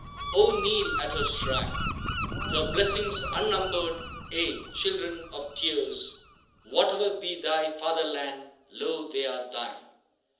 Oh kneel at her shrine! Her blessings unnumbered ye children of tears, Whatever be thy Fatherland lo they are thine!